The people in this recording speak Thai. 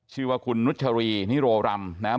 ชื่อว่าคุณนุชรีนิโรรำนะครับ